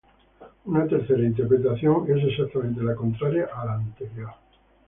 Una tercera interpretación es exactamente la contraria a la anterior.